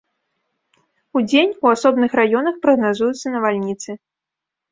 Удзень у асобных раёнах прагназуюцца навальніцы.